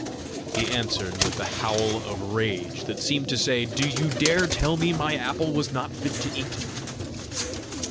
He answered with a howl of rage that seemed to say, "Do you dare tell me my apple was not fit to eat?"